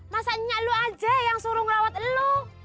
masa nyiak lo aja yang suruh ngerawat lo